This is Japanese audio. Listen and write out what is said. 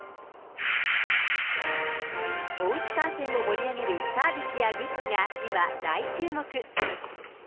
おうち観戦を盛り上げるサービスやグッズが今、大注目。